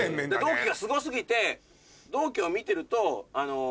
同期がすご過ぎて同期を見てると。